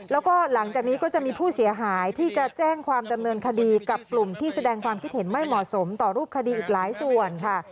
แล้วก็หลังจากนี้ก็จะมีผู้เสียหายที่จะแจ้งความดำเนินคดีกับกลุ่มที่แสดงความคิดเห็นไม่เหมาะสมต่อรูปคดีอีกหลายส่วนค่ะ